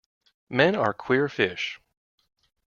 Men are queer fish.